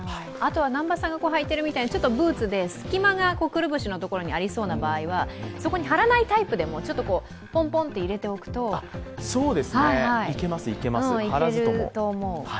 南波さんが履いているみたいにちょっとブーツで隙間がくるぶしのところにありそうなタイプはそこに貼らないタイプでも、ちょっとぽんぽんと入れておくといけると思う。